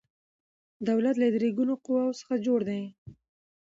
دولت له درې ګونو قواو څخه جوړ دی